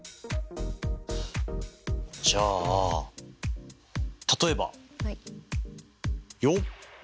じゃあ例えばよっ！